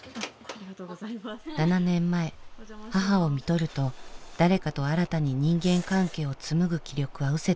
７年前母をみとると誰かと新たに人間関係を紡ぐ気力はうせていました。